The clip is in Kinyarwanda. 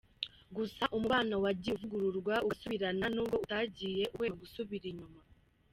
Gusa umubano wagiye uvugururwa ugasubirana nubwo utagiye uhwema gusubira inyuma.